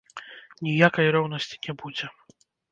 Ніякай роўнасці не будзе.